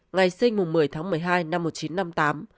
ngày sinh một mươi tháng một mươi hai năm một nghìn chín trăm năm mươi tám